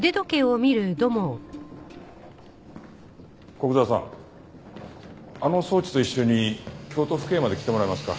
古久沢さんあの装置と一緒に京都府警まで来てもらえますか？